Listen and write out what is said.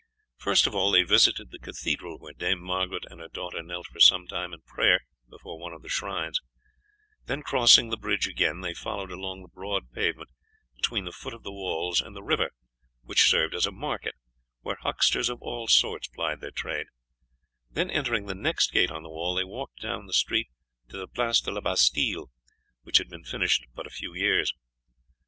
First of all they visited the cathedral, where Dame Margaret and her daughter knelt for some time in prayer before one of the shrines; then crossing the bridge again they followed along the broad pavement between the foot of the walls and the river, which served as a market, where hucksters of all sorts plied their trade; then entering the next gate on the wall they walked down the street to the Place de la Bastille, which had been finished but a few years.